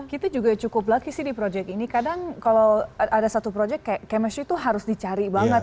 kita juga cukup lagi sih di project ini kadang kalau ada satu project kayak chemistry tuh harus dicari banget